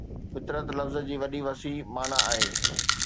فطرت لفظ جي وڏي وسيع معنيٰ آهي